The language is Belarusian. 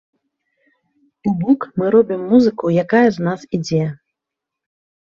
То бок мы робім музыку, якая з нас ідзе.